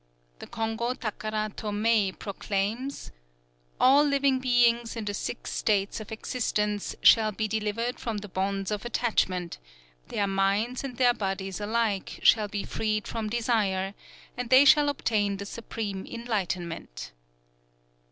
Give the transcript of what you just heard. _" "_The Kongō takara tō mei proclaims: 'All living beings in the Six States of Existence shall be delivered from the bonds of attachment; their minds and their bodies alike shall be freed from desire; and they shall obtain the Supreme Enlightenment.